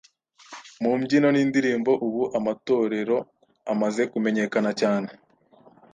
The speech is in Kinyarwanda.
mu mbyino n’indirimbo. Ubu amatorero amaze kumenyekana cyane